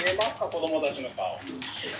子どもたちの顔。